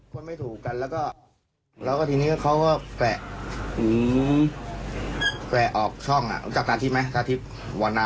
คนไม่ถูกกันแล้วก็ทีนี้เขาก็แปลออกช่องอ่ะรู้จักตาทิพธิ์มั้ย